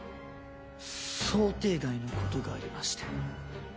想定外の事がありまして。